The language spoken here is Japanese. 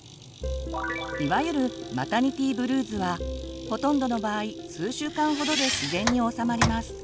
いわゆるマタニティブルーズはほとんどの場合数週間ほどで自然におさまります。